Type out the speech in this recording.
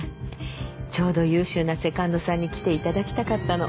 ちょうど優秀なセカンドさんに来ていただきたかったの。